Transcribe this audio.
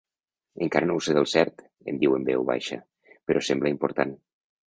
Encara no ho sé del cert —em diu en veu baixa— però sembla important.